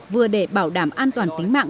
vừa để bảo đảm an toàn tính mạng